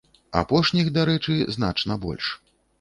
Апошніх, дарэчы, значна больш.